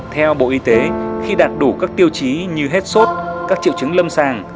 theo bộ y tế khi đạt đủ các tiêu chí như hết sốt các triệu chứng lâm sàng